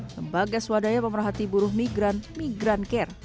lembaga swadaya pemerhati buruh migran migran care